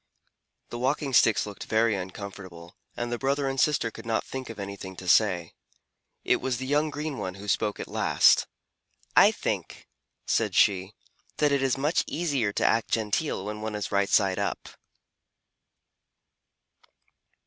The Walking Sticks looked very uncomfortable, and the brother and sister could not think of anything to say. It was the young green one who spoke at last. "I think," said she, "that it is much easier to act genteel when one is right side up."